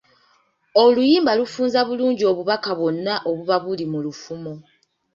Oluyimba lufunza bulungi obubaka bwonna obuba buli mu lufumo.